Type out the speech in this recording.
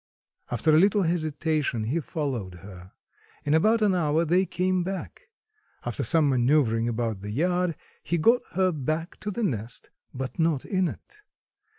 After a little hesitation he followed her. In about an hour they came back. After some maneuvering about the yard he got her back to the nest, but not in it.